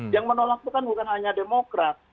yang menolak bukan hanya demokrat